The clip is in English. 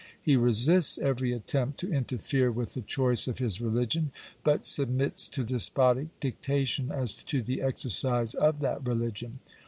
He resists every attempt to interfere with the choice of his religion, but submits to despotic dictation as to the exercise of that religion.